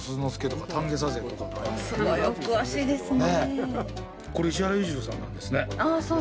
すごいお詳しいですね。